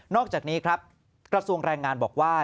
อกจากนี้ครับกระทรวงแรงงานบอกว่า